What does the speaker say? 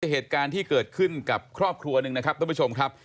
เหตุการณ์ที่เกิดขึ้นกับครอบครัวหนึ่งนะครับท่านผู้ชมครับ